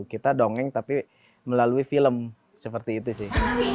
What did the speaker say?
kita dongeng tapi melalui film seperti itu sih